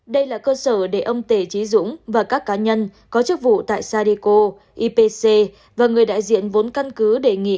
đây là cơ sở để ông tề trí dũng và các cá nhân có chức vụ tại sadico ipc và người đại diện vốn căn cứ đề nghị